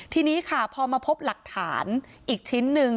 ทีนี้ค่ะพอมาพบหลักฐานอีกชิ้นหนึ่ง